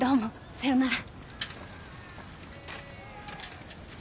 さよなら。